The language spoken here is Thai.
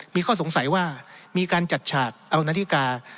มีข้อสงสัยว่ามีการจัดฉากเอานาฬิกา